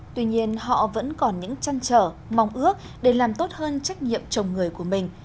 tuy nhiên họ vẫn còn những chăn trở mong ước để làm tốt hơn trách nhiệm chồng người của mình